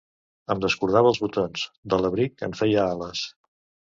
Em descordava els botons, de l'abric en feia ales.